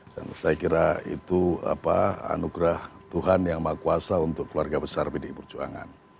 dan saya kira itu apa anugerah tuhan yang mahkuasa untuk keluarga besar pdi perjuangan